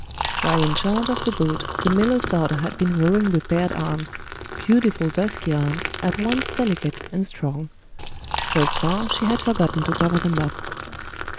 While in charge of the boat, the miller's daughter had been rowing with bared arms; beautiful dusky arms, at once delicate and strong. Thus far, she had forgotten to cover them up.